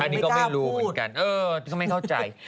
อันนี้ก็ไม่รู้เหมือนกันเออก็ไม่เข้าใจ